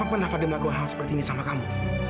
apa pernah fadil melakukan hal seperti ini sama kamu